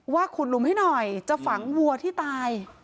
ขุดหลุมให้หน่อยจะฝังวัวที่ตาย